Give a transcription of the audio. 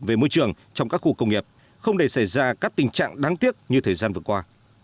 về môi trường trong các khu công nghiệp không để xảy ra các tình trạng đáng tiếc như thời gian vừa qua